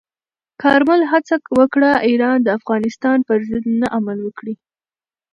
کارمل هڅه وکړه، ایران د افغانستان پر ضد نه عمل وکړي.